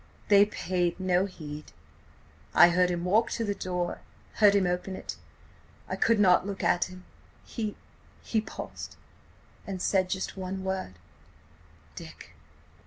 "They paid no heed. I heard him walk to the door–heard him open it. I could not look at him. He–he paused. .. and said just one word: 'Dick!'